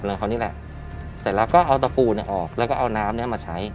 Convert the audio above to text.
อะไรเขานี่แหละเสร็จแล้วก็เอาตะปูเนี่ยออกแล้วก็เอาน้ำเนี้ยมาใช้